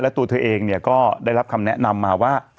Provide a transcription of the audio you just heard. ตัวเธอเองก็ได้รับคำแนะนำมาว่า